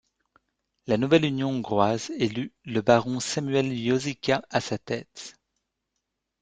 La nouvelle Union hongroise élut le baron Sámuel Josika à sa tête.